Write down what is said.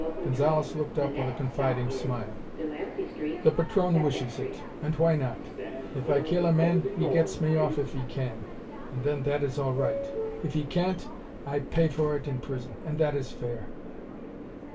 Gonzalez looked up with a confiding smile. "The patron wishes it; and why not? If I kill a man he gets me off if he can, and then that is all right. If he can't, I pay for it in prison and that is fair."